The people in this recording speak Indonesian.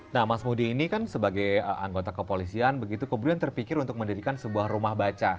nah mas mudi ini kan sebagai anggota kepolisian begitu kemudian terpikir untuk mendirikan sebuah rumah baca